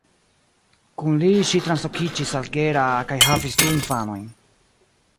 Kun li ŝi translokiĝis al Gera kaj havis du infanojn.